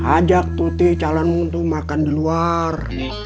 ajak tuti calon muntuh makan di luar